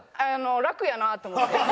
楽やなと思って。